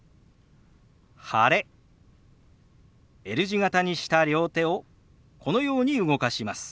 Ｌ字形にした両手をこのように動かします。